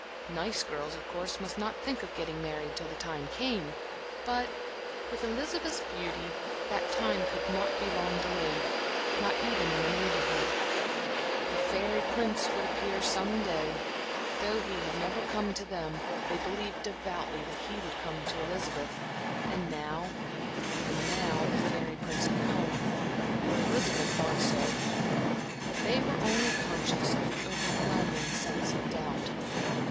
Nice girls, of course, must not think of getting married till the time came, but with Elizabeth's beauty, that time could not be long delayed, not even in the Neighborhood. The fairy prince would appear some day; though he had never come to them, they believed devoutly that he would come to Elizabeth. And now and now the fairy prince had come, or Elizabeth thought so; but they were only conscious of an overwhelming sense of doubt.